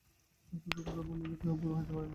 শুধু কথা বলিলেই কেহ গুরু হইতে পারে না।